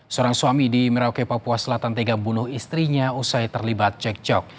seorang suami di merauke papua selatan tega bunuh istrinya usai terlibat cekcok